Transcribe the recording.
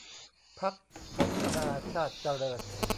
พรรคพัฒนาชาติเจริญ